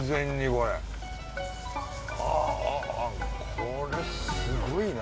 これすごいな。